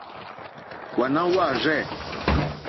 Wàná jáàrzɛ̂.